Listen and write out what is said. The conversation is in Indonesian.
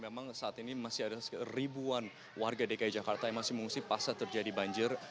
memang saat ini masih ada ribuan warga dki jakarta yang masih mengungsi pasca terjadi banjir